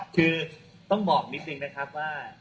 คือต้องบอกนิดนึงนะครับว่า